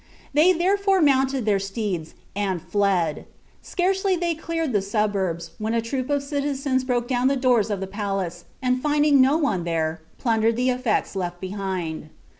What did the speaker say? They therefore niounKKl ihair steeds, and fled. Scarcely had ihey cleared the suburbs, wlien a troop of riiizens broke open the doors of the palace, and finding nu one Hun, plundered the eflects leli behind.